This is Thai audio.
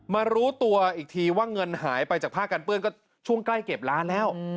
มารู้ตัวอีกทีว่าเงินหายไปจากผ้ากันเปื้อนก็ช่วงใกล้เก็บร้านแล้ว